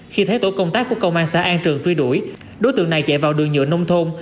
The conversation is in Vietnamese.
khi thấy tổ công tác của công an xã an trường truy đuổi đối tượng này chạy vào đường nhựa nông thôn